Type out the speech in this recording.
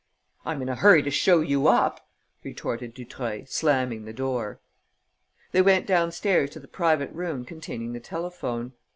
"I'm in a hurry to show you up," retorted Dutreuil, slamming the door. They went downstairs to the private room containing the telephone.